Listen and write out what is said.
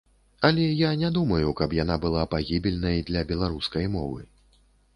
Але я не думаю, каб яна была пагібельнай для беларускай мовы.